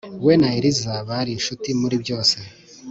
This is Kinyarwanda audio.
We na Eliza bari inshuti muri byose